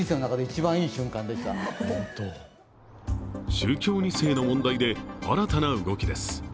宗教２世の問題で新たな動きです